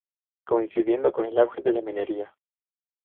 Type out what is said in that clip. Coincidiendo con el auge de la minería.